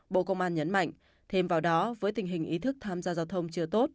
bộ công an nhấn mạnh thêm vào đó với tình hình ý thức tham gia giao thông chưa tốt